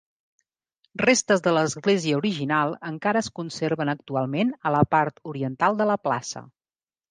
Restes de l'església original encara es conserven actualment a la part oriental de la plaça.